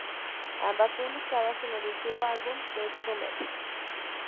Ambas publicadas en el último álbum de Strummer.